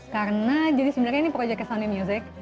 karena jadi sebenarnya ini project sony music